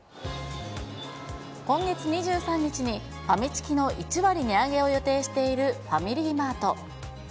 今月２３日にファミチキの１割値上げを予定しているファミリーマート。